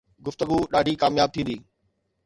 گفتگو ڏاڍي ڪامياب ٿيندي